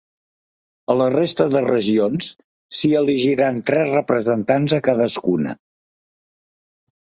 A la resta de regions, s’hi elegiran tres representants a cadascuna.